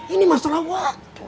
ini masalah waktu